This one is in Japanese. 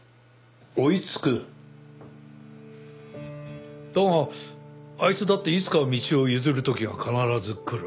追い付く？だがあいつだっていつかは道を譲る時が必ず来る。